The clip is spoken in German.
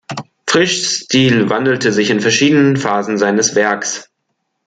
Frischs Stil wandelte sich in verschiedenen Phasen seines Werks.